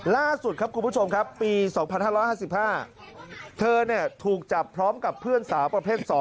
ล่าสุดครับคุณผู้ชมครับปี๒๕๕๕เธอถูกจับพร้อมกับเพื่อนสาวประเภท๒